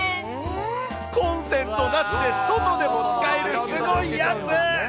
コンセントなしで外でも使えるすごいやつ。